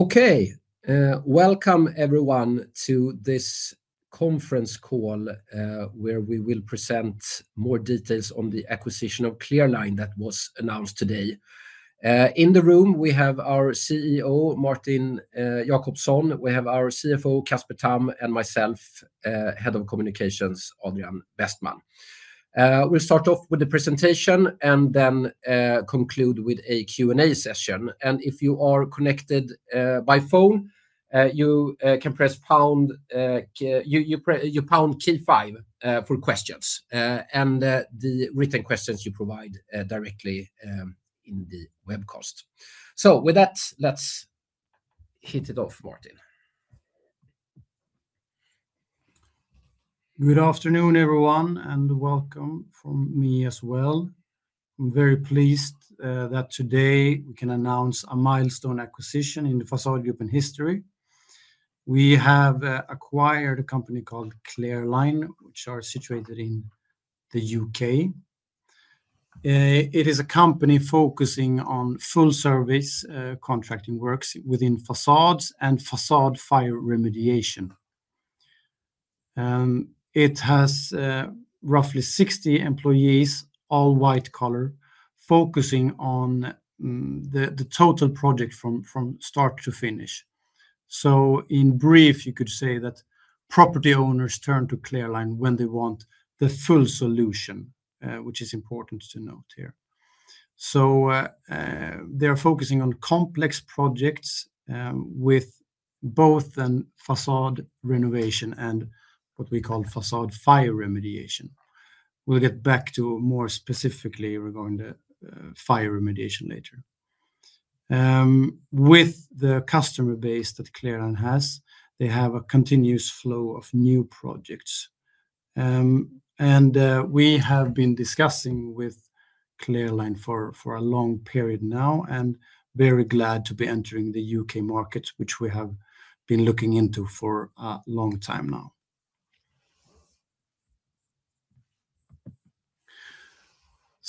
Okay, welcome everyone to this conference call where we will present more details on the acquisition of Clear Line that was announced today. In the room, we have our CEO, Martin Jacobsson, we have our CFO, Casper Tamm, and myself, Head of Communications, Adrian Westman. We'll start off with the presentation and then conclude with a Q&A session. And if you are connected by phone, you can press pound key five for questions and the written questions you provide directly in the webcast. So with that, let's hit it off, Martin. Good afternoon, everyone, and welcome from me as well. I'm very pleased that today we can announce a milestone acquisition in the Fasadgruppen in history. We have acquired a company called Clear Line, which is situated in the U.K. It is a company focusing on full-service contracting works within facades and facade fire remediation. It has roughly 60 employees, all white collar, focusing on the total project from start to finish. So in brief, you could say that property owners turn to Clear Line when they want the full solution, which is important to note here. So they are focusing on complex projects with both facade renovation and what we call facade fire remediation. We'll get back to more specifically regarding the fire remediation later. With the customer base that Clear Line has, they have a continuous flow of new projects. We have been discussing with Clear Line for a long period now and are very glad to be entering the U.K. market, which we have been looking into for a long time now.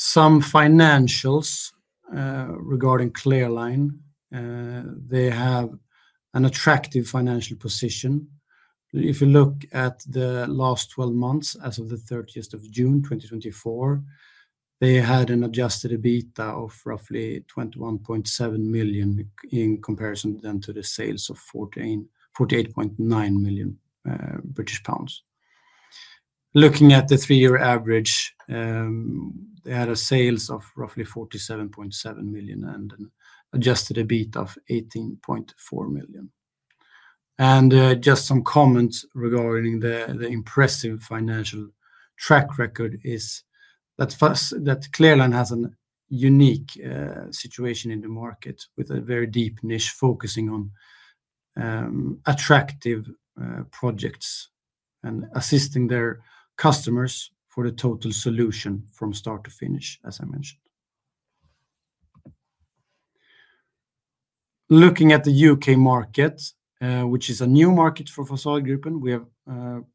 Some financials regarding Clear Line. They have an attractive financial position. If you look at the last 12 months, as of the 30th of June 2024, they had an adjusted EBITDA of roughly 21.7 million in comparison then to the sales of 48.9 million British pounds. Looking at the three-year average, they had a sales of roughly 47.7 million and an adjusted EBITDA of 18.4 million. Just some comments regarding the impressive financial track record is that Clear Line has a unique situation in the market with a very deep niche focusing on attractive projects and assisting their customers for the total solution from start to finish, as I mentioned. Looking at the U.K. market, which is a new market for Fasadgruppen, we have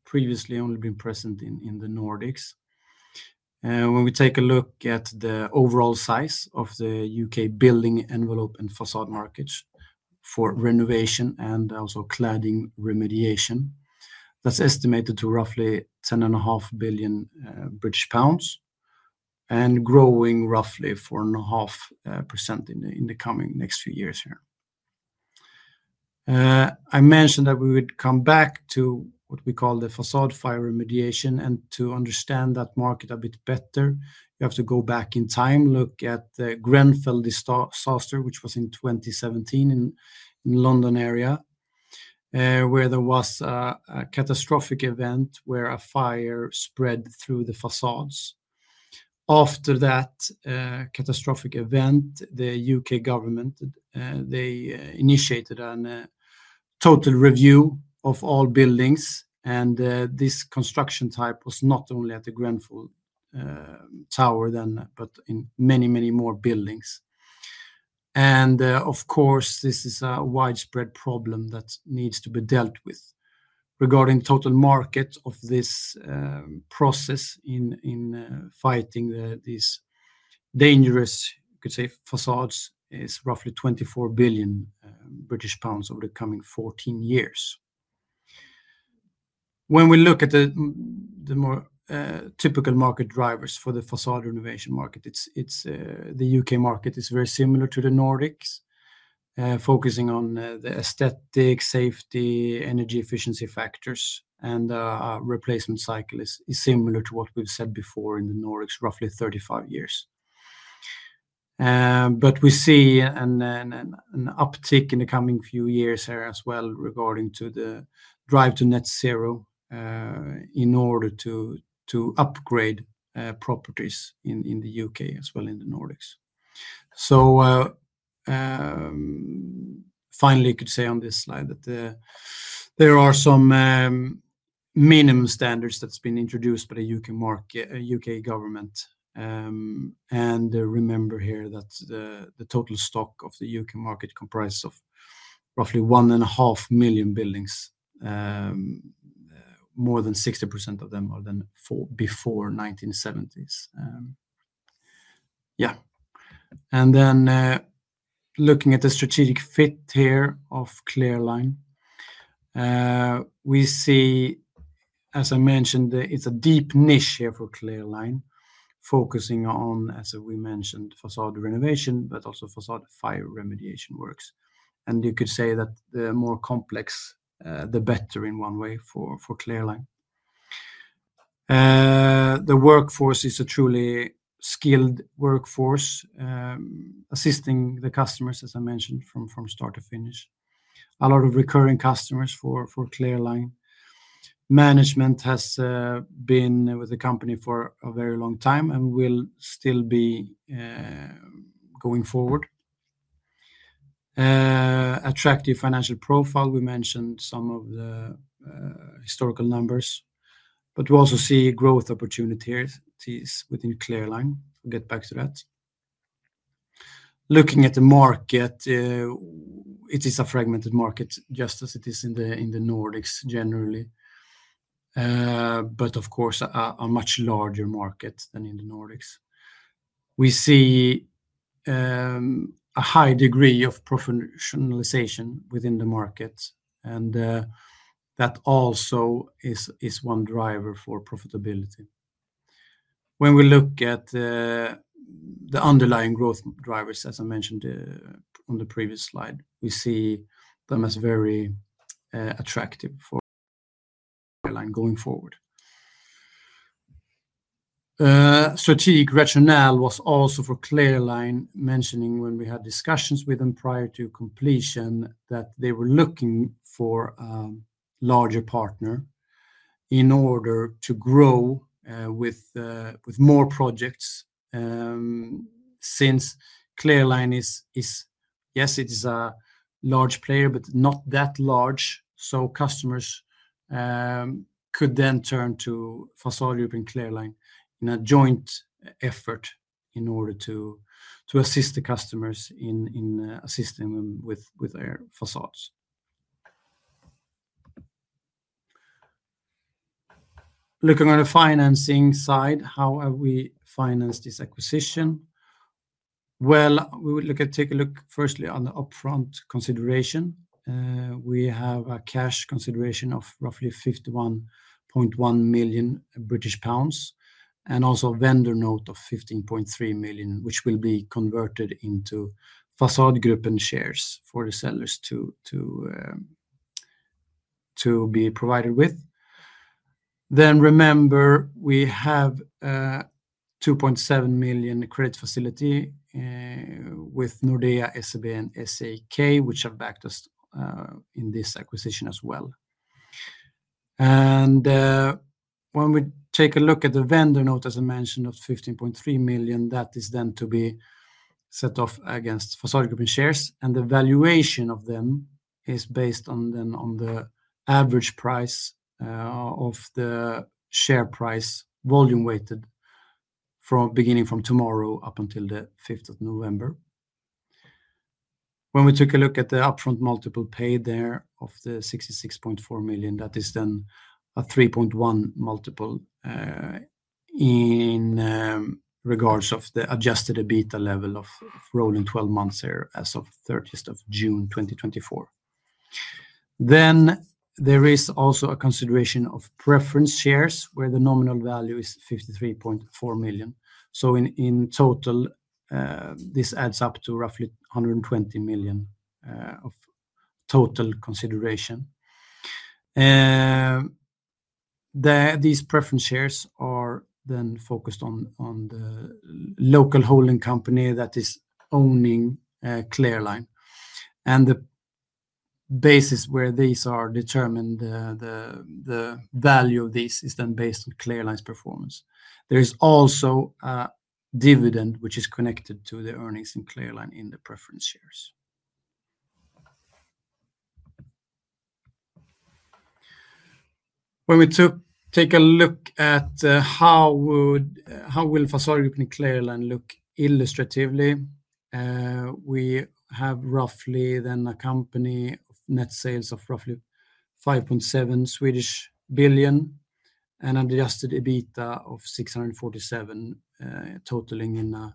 previously only been present in the Nordics. When we take a look at the overall size of the U.K. building envelope and facade markets for renovation and also cladding remediation, that's estimated to roughly 10.5 billion British pounds and growing roughly 4.5% in the coming next few years here. I mentioned that we would come back to what we call the facade fire remediation and to understand that market a bit better. You have to go back in time, look at the Grenfell Tower disaster, which was in 2017 in the London area, where there was a catastrophic event where a fire spread through the facades. After that catastrophic event, the U.K. government initiated a total review of all buildings, and this construction type was not only at the Grenfell Tower then, but in many, many more buildings, and of course, this is a widespread problem that needs to be dealt with. Regarding the total market of this process in fighting these dangerous, you could say, facades is roughly 24 billion British pounds over the coming 14 years. When we look at the more typical market drivers for the facade renovation market, the U.K. market is very similar to the Nordics, focusing on the aesthetic, safety, energy efficiency factors, and a replacement cycle is similar to what we've said before in the Nordics, roughly 35 years. But we see an uptick in the coming few years here as well regarding the drive to net zero in order to upgrade properties in the U.K. as well in the Nordics. So finally, you could say on this slide that there are some minimum standards that have been introduced by the U.K. government. And remember here that the total stock of the U.K. market comprises roughly 1.5 million buildings, more than 60% of them are then before 1970s. Yeah. And then looking at the strategic fit here of Clear Line, we see, as I mentioned, it's a deep niche here for Clear Line, focusing on, as we mentioned, facade renovation, but also facade fire remediation works. And you could say that the more complex, the better in one way for Clear Line. The workforce is a truly skilled workforce assisting the customers, as I mentioned, from start to finish. A lot of recurring customers for Clear Line. Management has been with the company for a very long time and will still be going forward. Attractive financial profile. We mentioned some of the historical numbers, but we also see growth opportunities within Clear Line. We'll get back to that. Looking at the market, it is a fragmented market just as it is in the Nordics generally, but of course a much larger market than in the Nordics. We see a high degree of professionalization within the market, and that also is one driver for profitability. When we look at the underlying growth drivers, as I mentioned on the previous slide, we see them as very attractive for Clear Line going forward. Strategic rationale was also for Clear Line mentioning when we had discussions with them prior to completion that they were looking for a larger partner in order to grow with more projects since Clear Line is, yes, it is a large player, but not that large. Customers could then turn to Fasadgruppen and Clear Line in a joint effort in order to assist the customers in assisting them with their facades. Looking on the financing side, how have we financed this acquisition? We would take a look firstly on the upfront consideration. We have a cash consideration of roughly 51.1 million British pounds and also a vendor note of 15.3 million, which will be converted into Fasadgruppen shares for the sellers to be provided with. Remember, we have 2.7 million credit facility with Nordea, SEB, and SEB, which have backed us in this acquisition as well. When we take a look at the vendor note, as I mentioned, of 15.3 million, that is then to be set off against Fasadgruppen shares. The valuation of them is based on the average price of the share price volume weighted from beginning from tomorrow up until the 5th of November. When we took a look at the upfront multiple paid there of the 66.4 million, that is then a 3.1x multiple in regards of the adjusted EBITDA level of rolling 12 months here as of 30th of June 2024. There is also a consideration of preference shares where the nominal value is 53.4 million. In total, this adds up to roughly 120 million of total consideration. These preference shares are then focused on the local holding company that is owning Clear Line. The basis where these are determined, the value of these is then based on Clear Line's performance. There is also a dividend which is connected to the earnings in Clear Line in the preference shares. When we take a look at how will Fasadgruppen and Clear Line look illustratively, we have roughly then a company net sales of roughly 5.7 billion and an adjusted EBITDA of 647 million, totaling an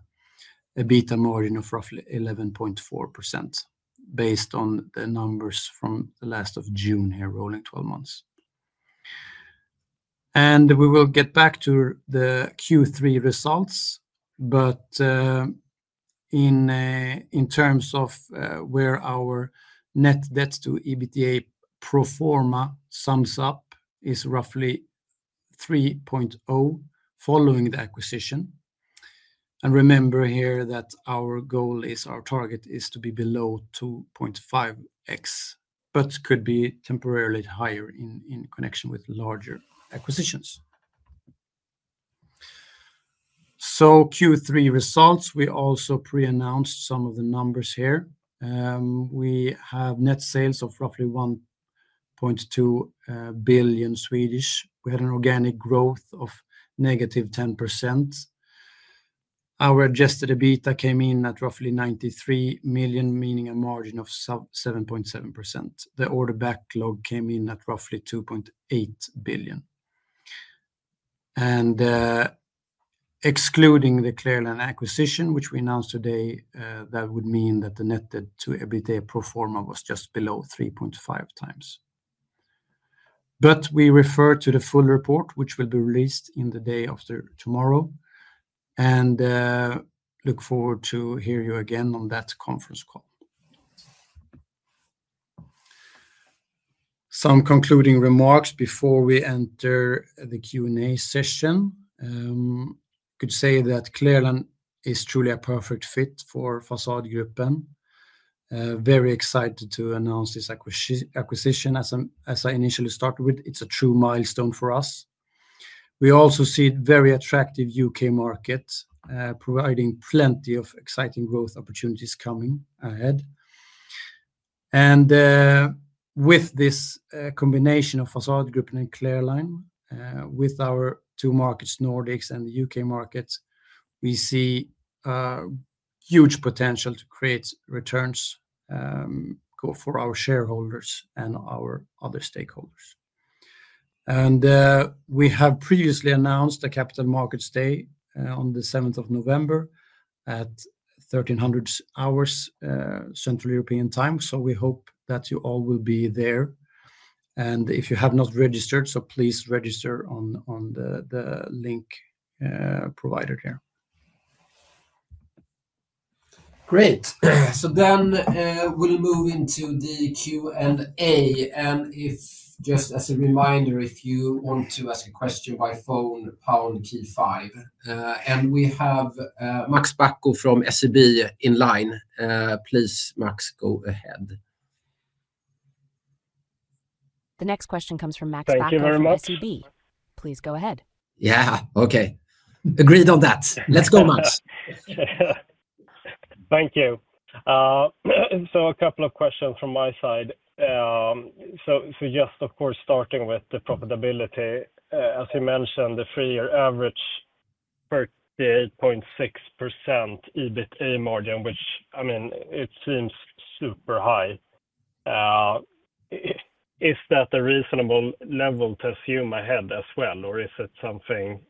EBITDA margin of roughly 11.4% based on the numbers from the last of June here, rolling 12 months. We will get back to the Q3 results, but in terms of where our net debt to EBITDA pro forma sums up, is roughly 3.0x following the acquisition. Remember here that our goal is our target is to be below 2.5x, but could be temporarily higher in connection with larger acquisitions. Q3 results, we also pre-announced some of the numbers here. We have net sales of roughly 1.2 billion. We had an organic growth of -10%. Our adjusted EBITDA came in at roughly 93 million, meaning a margin of 7.7%. The order backlog came in at roughly 2.8 billion. And excluding the Clear Line acquisition, which we announced today, that would mean that the net debt to EBITDA proforma was just below 3.5x. But we refer to the full report, which will be released in the day after tomorrow, and look forward to hearing you again on that conference call. Some concluding remarks before we enter the Q&A session. I could say that Clear Line is truly a perfect fit for Fasadgruppen. Very excited to announce this acquisition, as I initially started with. It is a true milestone for us. We also see a very attractive U.K. market providing plenty of exciting growth opportunities coming ahead. With this combination of Fasadgruppen and Clear Line, with our two markets, Nordics and the U.K. market, we see huge potential to create returns for our shareholders and our other stakeholders. We have previously announced a Capital Markets Day on the 7th of November at 1:00 P.M. Central European Time. We hope that you all will be there. If you have not registered, please register on the link provided here. Great. We'll move into the Q&A. Just as a reminder, if you want to ask a question by phone, pound key five. We have Max Bacco from SEB in line. Please, Max, go ahead. The next question comes from Max Bacco from SEB. Please go ahead. Yeah. Okay. Agreed on that. Let's go, Max. Thank you. A couple of questions from my side. Just, of course, starting with the profitability. As you mentioned, the three-year average, 38.6% EBITDA margin, which, I mean, it seems super high. Is that a reasonable level to assume ahead as well, or is it something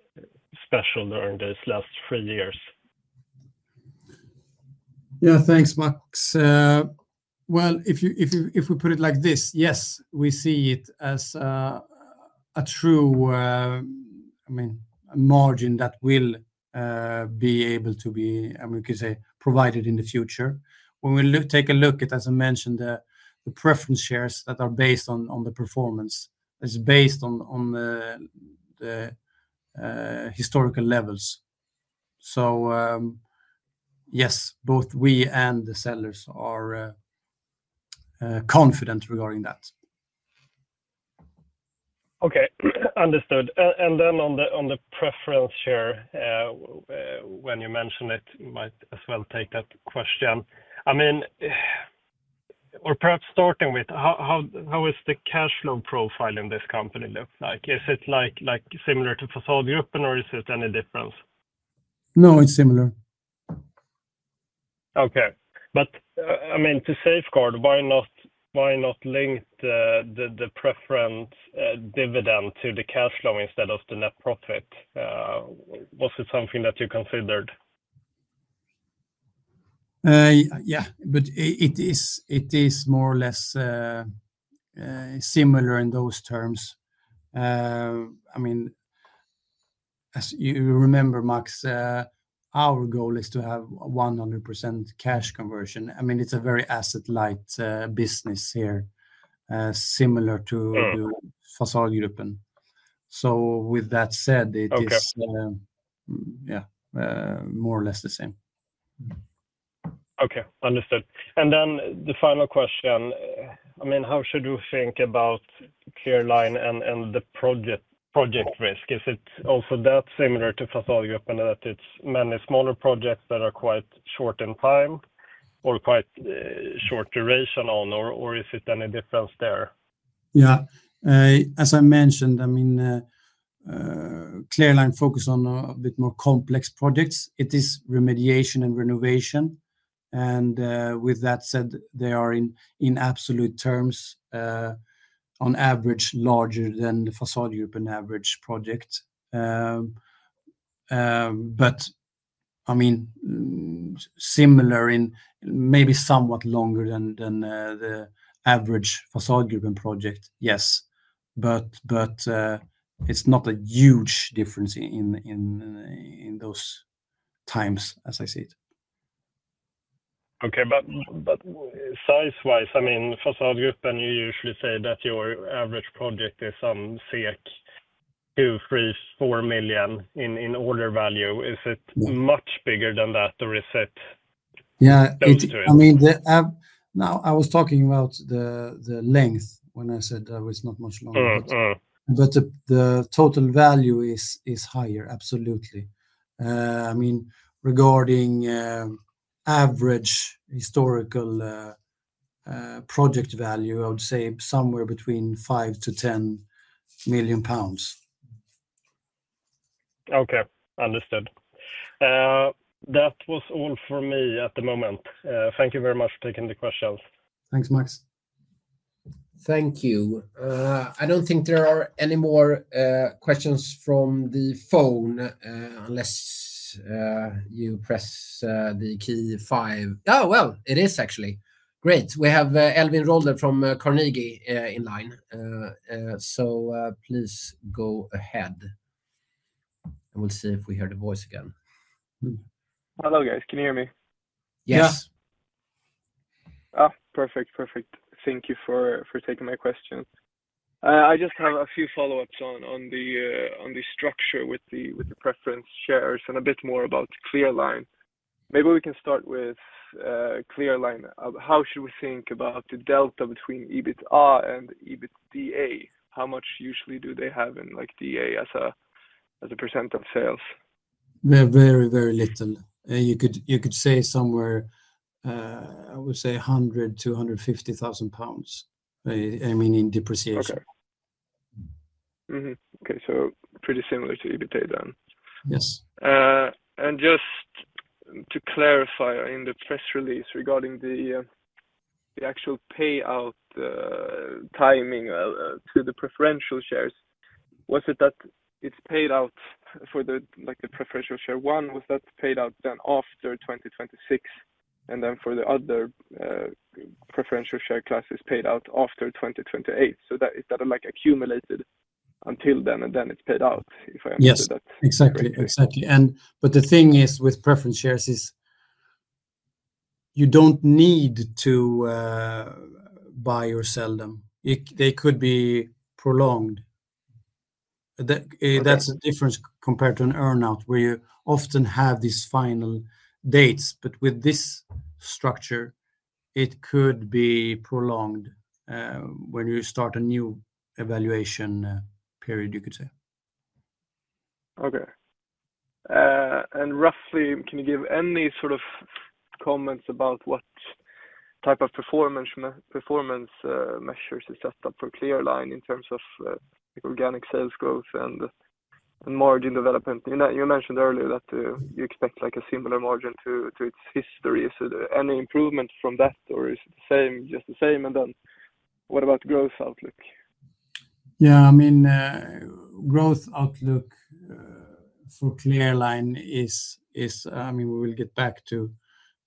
special during these last three years? Yeah, thanks, Max. Well, if we put it like this, yes, we see it as a true, I mean, margin that will be able to be, I mean, we could say, provided in the future. When we take a look at, as I mentioned, the preference shares that are based on the performance, it's based on the historical levels. So yes, both we and the sellers are confident regarding that. Okay. Understood. And then on the preference share, when you mentioned it, might as well take that question. I mean, or perhaps starting with, how is the cash flow profile in this company look like? Is it similar to Fasadgruppen, or is it any different? No, it's similar. Okay. But I mean, to safeguard, why not link the preference dividend to the cash flow instead of the net profit? Was it something that you considered? Yeah, but it is more or less similar in those terms. I mean, as you remember, Max, our goal is to have 100% cash conversion. I mean, it's a very asset-light business here, similar to Fasadgruppen. So with that said, it is, yeah, more or less the same. Okay. Understood. And then the final question, I mean, how should you think about Clear Line and the project risk? Is it also that similar to Fasadgruppen in that it's many smaller projects that are quite short in time or quite short duration on, or is it any difference there? Yeah. As I mentioned, I mean, Clear Line focuses on a bit more complex projects. It is remediation and renovation. And with that said, they are, in absolute terms, on average, larger than the Fasadgruppen average project. But I mean, similar in maybe somewhat longer than the average Fasadgruppen project, yes. But it's not a huge difference in those times, as I see it. Okay. But size-wise, I mean, Fasadgruppen, and you usually say that your average project is some 2 million, 3 million, 4 million in order value. Is it much bigger than that, or is it? Yeah. I mean, now I was talking about the length when I said it's not much longer, but the total value is higher, absolutely. I mean, regarding average historical project value, I would say somewhere between 5 million-10 million pounds. Okay. Understood. That was all for me at the moment. Thank you very much for taking the questions. Thanks, Max. Thank you. I don't think there are any more questions from the phone unless you press the key five. Oh, well, it is actually. Great. We have Elvin Rolder from Carnegie in line. So please go ahead, and we'll see if we hear the voice again. Hello, guys. Can you hear me? Yes. Perfect. Perfect. Thank you for taking my questions. I just have a few follow-ups on the structure with the preference shares and a bit more about Clear Line. Maybe we can start with Clear Line. How should we think about the delta between EBIT and EBITDA? How much usually do they have in DA as a percent of sales? They're very, very little. You could say somewhere, I would say, 100,000-150,000 pounds, I mean, in depreciation. Okay. So pretty similar to EBITDA then? Yes. And just to clarify in the press release regarding the actual payout timing to the preference shares, was it that it's paid out for the preference share one? Was that paid out then after 2026? And then for the other preference share class, it's paid out after 2028. So is that accumulated until then, and then it's paid out, if I understood that? Yes. Exactly. Exactly. But the thing is with preference shares is you don't need to buy or sell them. They could be prolonged. That's a difference compared to an earnout where you often have these final dates. But with this structure, it could be prolonged when you start a new evaluation period, you could say. Okay. And roughly, can you give any sort of comments about what type of performance measures is set up for Clear Line in terms of organic sales growth and margin development? You mentioned earlier that you expect a similar margin to its history. Is there any improvement from that, or is it just the same? And then what about growth outlook? Yeah. I mean, growth outlook for Clear Line is, I mean, we will get back to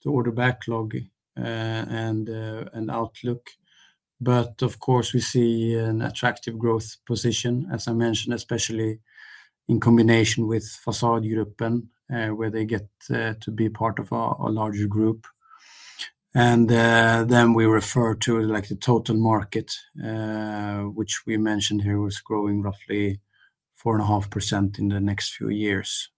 order backlog and outlook. But of course, we see an attractive growth position, as I mentioned, especially in combination with Fasadgruppen, where they get to be part of a larger group. And then we refer to the total market, which we mentioned here was growing roughly 4.5% in the next few years.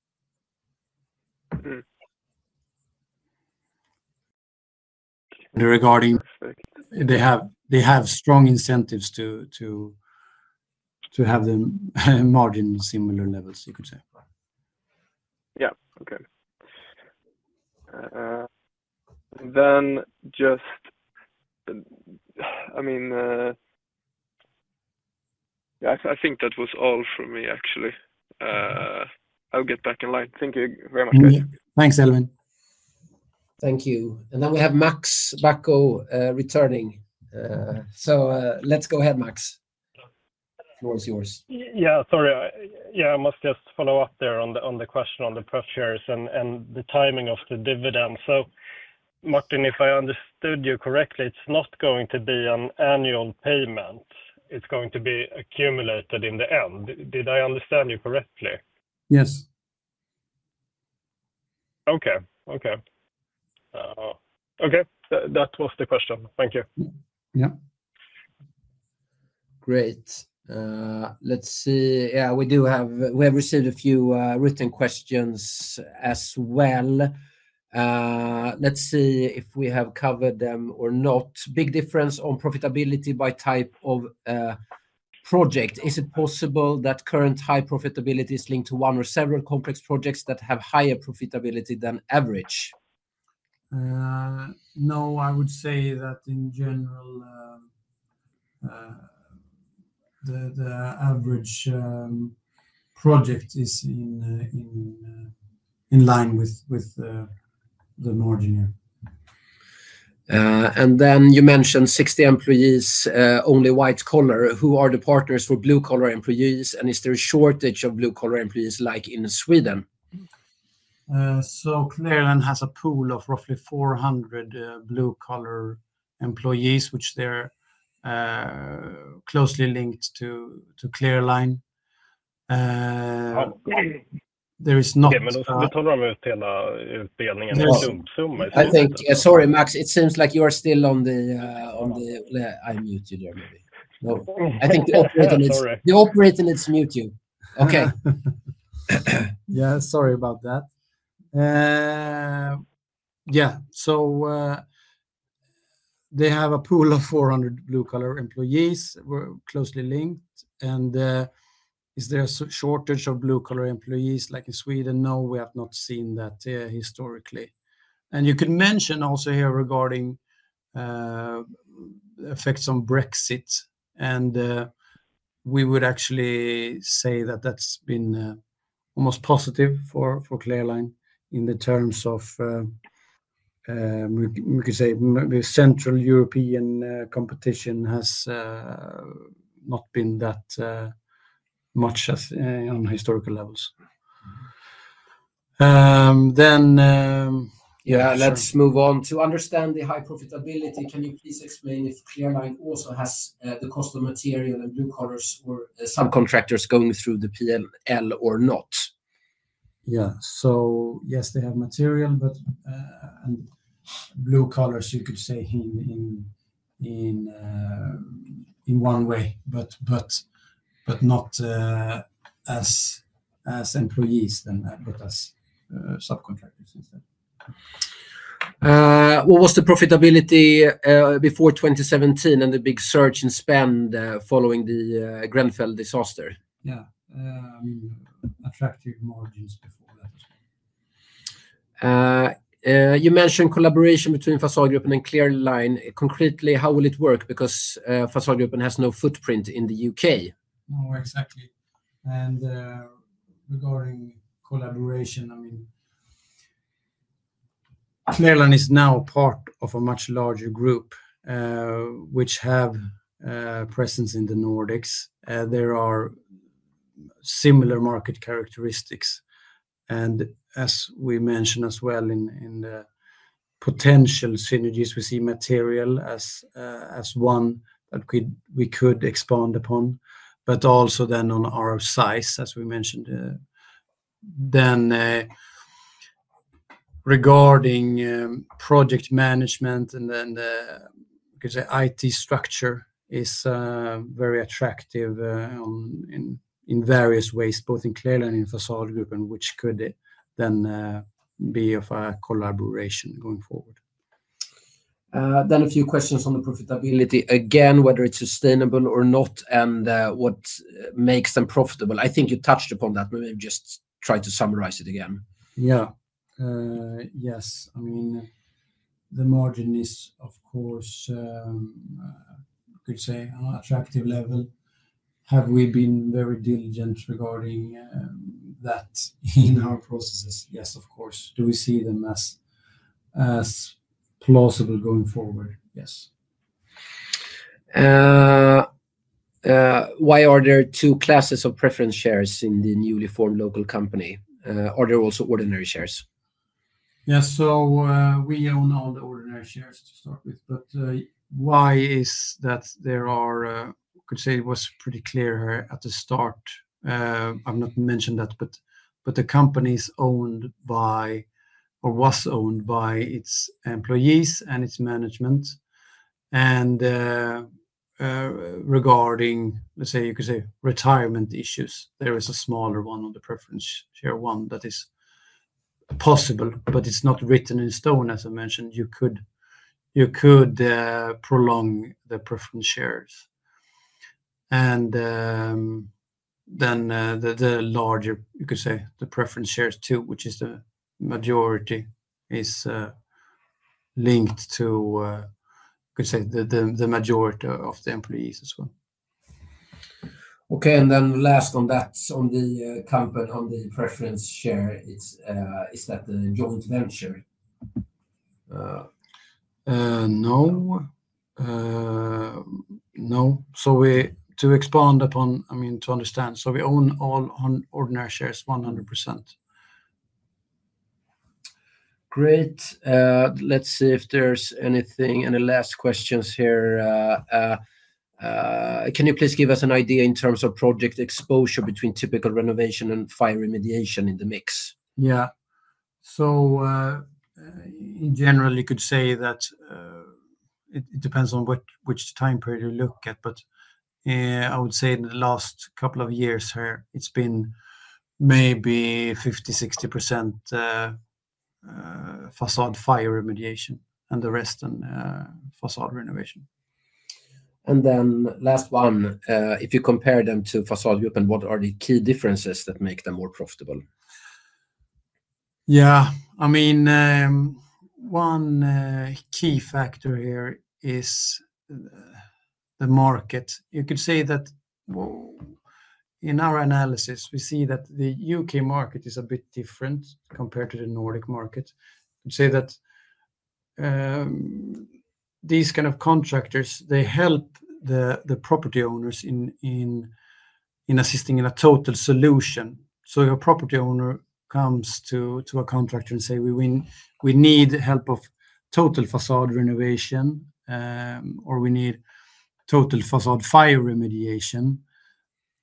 Regarding. They have strong incentives to have the margin similar levels, you could say. Yeah. Okay. Then just, I mean, yeah, I think that was all for me, actually. I'll get back in line. Thank you very much, guys. Thanks, Elvin. Thank you. And then we have Max Bacco returning. So let's go ahead, Max. The floor is yours. Yeah. Sorry. Yeah. I must just follow up there on the question on the preferred shares and the timing of the dividend. So, Martin, if I understood you correctly, it's not going to be an annual payment. It's going to be accumulated in the end. Did I understand you correctly? Yes. Okay. Okay. Okay. That was the question. Thank you. Yeah. Great. Let's see. Yeah. We have received a few written questions as well. Let's see if we have covered them or not. Big difference on profitability by type of project. Is it possible that current high profitability is linked to one or several complex projects that have higher profitability than average? No, I would say that in general, the average project is in line with the margin here. And then you mentioned 60 employees, only white collar. Who are the partners for blue collar employees? And is there a shortage of blue collar employees like in Sweden? So Clear Line has a pool of roughly 400 blue collar employees, which they're closely linked to Clear Line. There is not. We told them with the entire billing and the lump sums. I think, sorry, Max, it seems like you are still on. I muted you. I think the operator needs to mute you. Okay. Yeah. Sorry about that. Yeah. So they have a pool of 400 blue collar employees closely linked. And is there a shortage of blue collar employees like in Sweden? No, we have not seen that historically. And you can mention also here regarding effects on Brexit. We would actually say that that's been almost positive for Clear Line in the terms of, we could say, the Central European competition has not been that much on historical levels. Then, yeah, let's move on to understand the high profitability. Can you please explain if Clear Line also has the cost of material and blue collars or subcontractors going through the PL or not? Yeah. So yes, they have material, but blue collars, you could say, in one way, but not as employees then, but as subcontractors instead. What was the profitability before 2017 and the big surge in spend following the Grenfell disaster? Yeah. Attractive margins before that as well. You mentioned collaboration between Fasadgruppen and Clear Line. Concretely, how will it work? Because Fasadgruppen has no footprint in the U.K. No, exactly. And regarding collaboration, I mean, Clear Line is now part of a much larger group, which has a presence in the Nordics. There are similar market characteristics. And as we mentioned as well in the potential synergies, we see material as one that we could expand upon, but also then on our size, as we mentioned. Then regarding project management and the, we could say, IT structure is very attractive in various ways, both in Clear Line and in Fasadgruppen, which could then be of a collaboration going forward. Then a few questions on the profitability, again, whether it's sustainable or not, and what makes them profitable. I think you touched upon that. Maybe just try to summarize it again. Yeah. Yes. I mean, the margin is, of course, we could say, an attractive level. Have we been very diligent regarding that in our processes? Yes, of course. Do we see them as plausible going forward? Yes. Why are there two classes of preference shares in the newly formed local company? Are there also ordinary shares? Yeah, so we own all the ordinary shares to start with. But why is that there are, we could say it was pretty clear at the start. I've not mentioned that, but the company is owned by or was owned by its employees and its management, and regarding, let's say, you could say, retirement issues, there is a smaller one on the preference share one that is possible, but it's not written in stone. As I mentioned, you could prolong the preference shares, and then the larger, you could say, the preference shares too, which is the majority, is linked to, we could say, the majority of the employees as well. Okay. And then last on that, on the company on the preference share, is that a joint venture? No. No. So to expand upon, I mean, to understand, so we own all ordinary shares 100%. Great. Let's see if there's anything, any last questions here. Can you please give us an idea in terms of project exposure between typical renovation and fire remediation in the mix? Yeah. So in general, you could say that it depends on which time period you look at. But I would say in the last couple of years here, it's been maybe 50%-60% facade fire remediation and the rest on facade renovation. And then last one, if you compare them to Fasadgruppen, what are the key differences that make them more profitable? Yeah. I mean, one key factor here is the market. You could say that in our analysis, we see that the U.K. market is a bit different compared to the Nordic market. We could say that these kind of contractors, they help the property owners in assisting in a total solution. So if a property owner comes to a contractor and say, "We need help of total facade renovation," or, "We need total facade fire remediation,"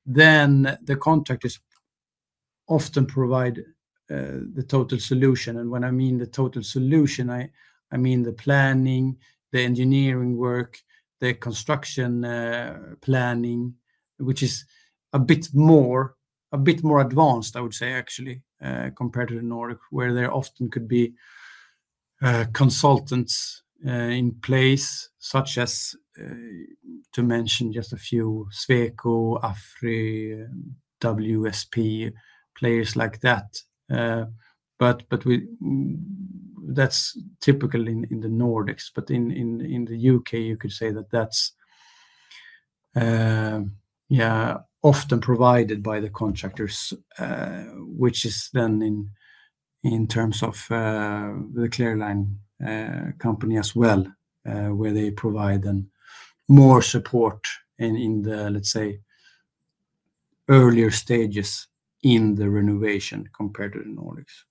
then the contractors often provide the total solution. And when I mean the total solution, I mean the planning, the engineering work, the construction planning, which is a bit more advanced, I would say, actually, compared to the Nordic, where there often could be consultants in place, such as, to mention just a few, Sweco, AFRY, WSP, players like that, but that's typical in the Nordics. But in the U.K., you could say that that's, yeah, often provided by the contractors, which is then in terms of the Clear Line company as well, where they provide more support in the, let's say, earlier stages in the renovation compared to the Nordics.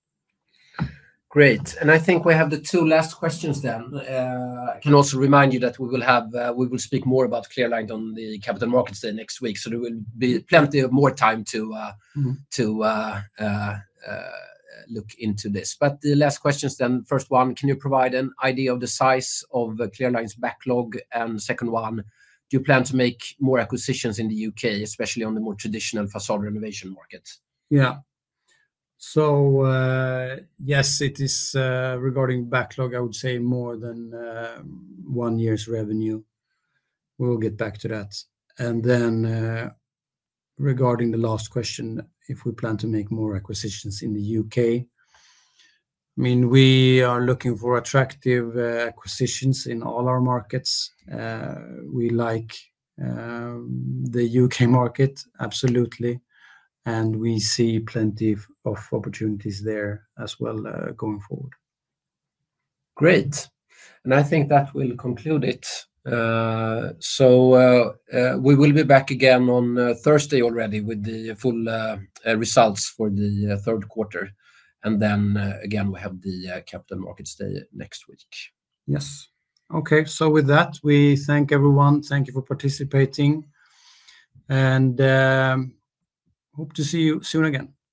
Great. And I think we have the two last questions then. I can also remind you that we will speak more about Clear Line on the capital markets next week. So there will be plenty of more time to look into this. But the last questions then, first one, can you provide an idea of the size of Clear Line's backlog? And second one, do you plan to make more acquisitions in the U.K., especially on the more traditional facade renovation market? Yeah. So yes, it is regarding backlog. I would say, more than one year's revenue. We'll get back to that. And then, regarding the last question, if we plan to make more acquisitions in the U.K., I mean, we are looking for attractive acquisitions in all our markets. We like the U.K. market, absolutely. And we see plenty of opportunities there as well going forward. Great. And I think that will conclude it. So we will be back again on Thursday already with the full results for the third quarter. And then again, we have the Capital Markets Day next week. Yes. Okay. So with that, we thank everyone. Thank you for participating. And hope to see you soon again.